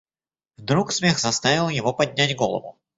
Вдруг смех заставил его поднять голову.